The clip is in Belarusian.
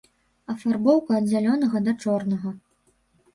Афарбоўка ад зялёнага да чорнага.